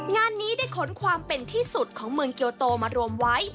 งานนี้ได้ขนความเป็นที่สุดของเมืองเกียวโตมารวมไว้